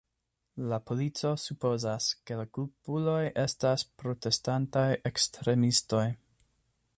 La polico supozas, ke la kulpuloj estas protestantaj ekstremistoj.